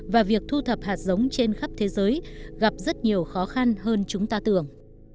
và việc thu thập hạt giống trên khắp thế giới gặp rất nhiều khó khăn hơn chúng ta tưởng